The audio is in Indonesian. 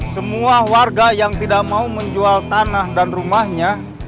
semua warga yang tidak mau menjual tanah dan rumahnya